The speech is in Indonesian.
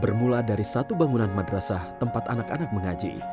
bermula dari satu bangunan madrasah tempat anak anak mengaji